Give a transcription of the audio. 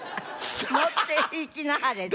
「持っていきなはれ」って。